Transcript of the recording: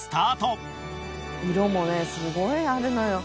「色もねすごいあるのよ」